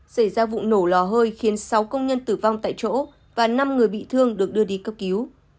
xảy ra vụ nổ lò hơi khiến sáu công nhân tử vong tại chỗ và năm người bị thương được đưa đi cấp cứu